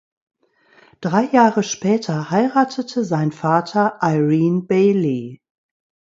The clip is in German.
Drei Jahre später heiratete sein Vater Irene Bailey.